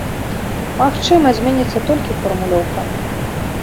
Магчыма, зменіцца толькі фармулёўка.